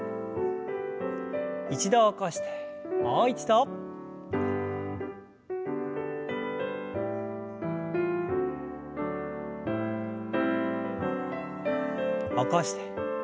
一度起こしてもう一度。起こして。